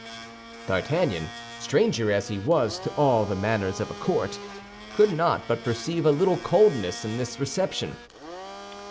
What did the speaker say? D'Artagnan, stranger as he was to all the manners of a court, could not but perceive a little coldness in this reception.